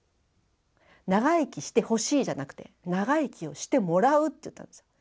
長生きしてほしいじゃなくて長生きをしてもらうって言ったんです。